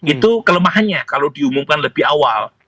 itu kelemahannya kalau diumumkan lebih awal